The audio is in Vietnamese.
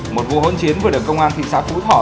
một vụ hỗn chiến vừa được công an thị xã phú thọ